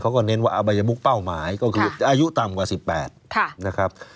เน้นว่าอบัยมุกเป้าหมายก็คืออายุต่ำกว่า๑๘นะครับ